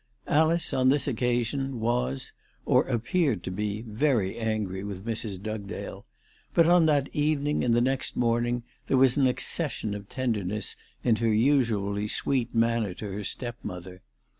Alice on this occasion was, or appeared to be, very angry with Mrs. Dugdale ; but on that evening and the next morning there was an accession of tenderness in her usually sweet manner to her stepmother.